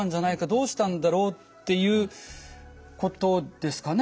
どうしたんだろう」っていうことですかね。